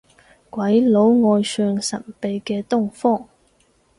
鬼佬愛上神秘嘅東方